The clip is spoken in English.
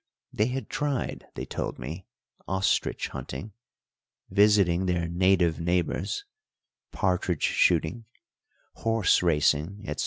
They had tried, they told me, ostrich hunting, visiting their native neighbours, partridge shooting, horse racing, etc.